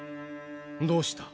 どうした。